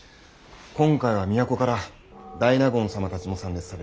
今回は都から大納言様たちも参列される。